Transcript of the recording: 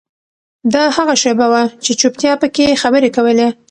دا هغه شیبه وه چې چوپتیا پکې خبرې کولې.